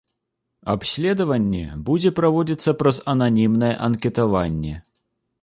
Абследаванне будзе праводзіцца праз ананімнае анкетаванне.